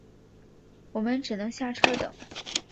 我们只能下车等